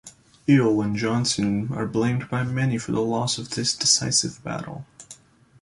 Ewell and Johnson are blamed by many for the loss of this decisive battle.